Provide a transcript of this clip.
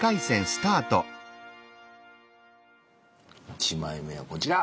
１枚目はこちら。